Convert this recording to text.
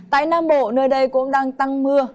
tại nam bộ nơi đây cũng đang tăng mưa